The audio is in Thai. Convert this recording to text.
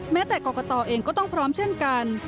แม้แต่กรกตเองก็ต้องพร้อมเช่นกัน